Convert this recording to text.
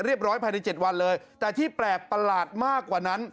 ร้อยภายในเจ็ดวันเลยแต่ที่แปลกประหลาดมากกว่านั้น